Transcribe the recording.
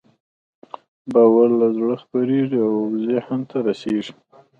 باور له زړه خپرېږي او ذهن ته رسېږي.